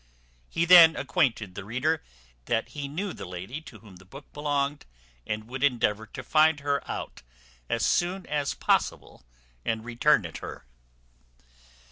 He then acquainted the finder that he knew the lady to whom the book belonged, and would endeavour to find her out as soon as possible, and return it her.